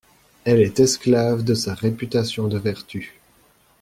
Elle est esclave de sa réputation de vertu…